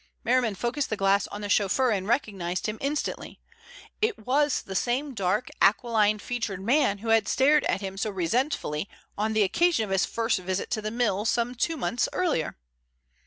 Merriman focused the glass on the chauffeur and recognized him instantly. It was the same dark, aquiline featured man who had stared at him so resentfully on the occasion of his first visit to the mill, some two months earlier.